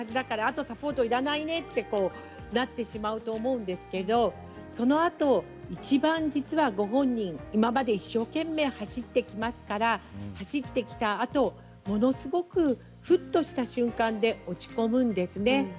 もうサポートがいらないねとなってしまうと思うんですけれどそのあといちばん実はご本人今まで一生懸命走ってきましたからその後ものすごくふとした瞬間で落ち込むんですね。